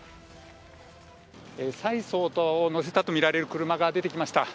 蔡総統を乗せたとみられる車が出てきました。